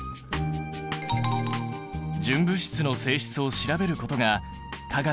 純物質の性質を調べることが化学の重要な役割だ。